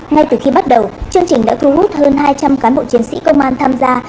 ngay từ khi bắt đầu chương trình đã thu hút hơn hai trăm linh cán bộ chiến sĩ công an tham gia